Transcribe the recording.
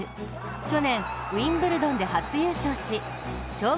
去年、ウィンブルドンで初優勝し生涯